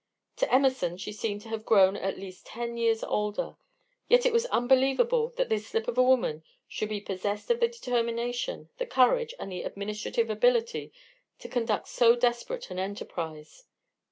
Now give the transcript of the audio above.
To Emerson she seemed to have grown at least ten years older. Yet it was unbelievable that this slip of a woman should be possessed of the determination, the courage, and the administrative ability to conduct so desperate an enterprise.